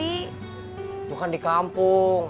itu kan di kampung